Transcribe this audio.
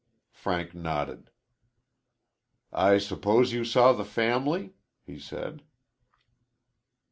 Frank nodded. "I suppose you saw the family," he said.